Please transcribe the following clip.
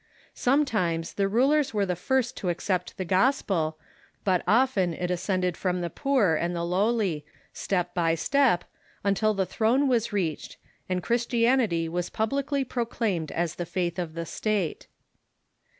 Sometimes the rulers were the first to accept the gospel, but often it ascended from the poor and the lowly, step by step, until the throne was reached, and Chris tianity was publicly proclaimed as the faith of the State.